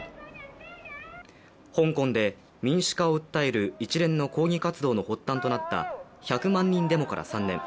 香港で民主化を訴える一連の抗議活動の発端となった１００万人デモから３年。